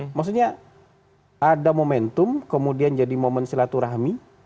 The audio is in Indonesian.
maksudnya ada momentum kemudian jadi momen silaturahmi